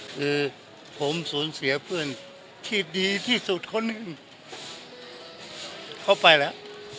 คือผมสูญเสียเพื่อนที่ดีที่สุดคนหนึ่งเขาไปแล้ว